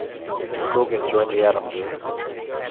Gogan joined the Atoms.